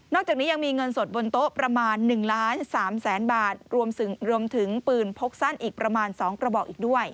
จากนี้ยังมีเงินสดบนโต๊ะประมาณ๑ล้าน๓แสนบาทรวมถึงปืนพกสั้นอีกประมาณ๒กระบอกอีกด้วย